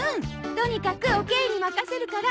とにかくおケイに任せるから。